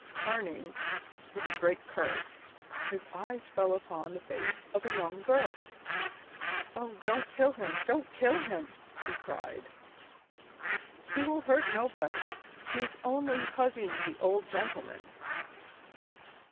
Turning, with a great curse, his eyes fell upon the face of a young girl. [Illustration: Lucilla rescues Dickory.] "Oh, don't kill him! Don't kill him!" she cried, "he will hurt nobody; he is only hugging the old gentleman."